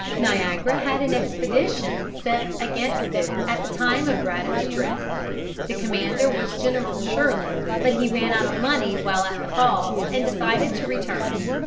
Niagara had an expedition sent against it at the time of Braddock's trip. The commander was General Shirley, but he ran out of money while at the Falls and decided to return.